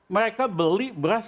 mereka beli beras